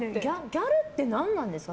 ギャルって何なんですか？